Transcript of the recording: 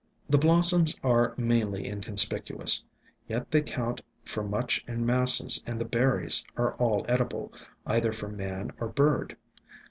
The blossoms are mainly inconspicuous, yet they count for much in masses and the berries are all edible, either for man or bird.